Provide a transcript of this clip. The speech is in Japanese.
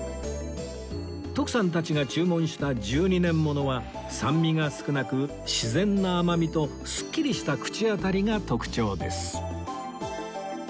徳さんたちが注文した１２年物は酸味が少なく自然な甘みとすっきりした口当たりが特徴です